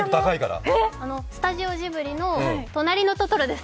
スタジオジブリの「となりのトトロ」です。